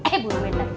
eh burung meten